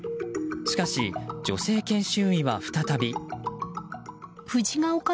しかし女性研修医は再び。